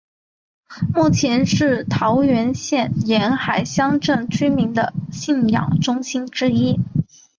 目前是桃园县沿海乡镇居民的信仰中心之一。